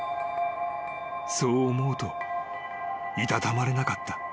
［そう思うといたたまれなかった］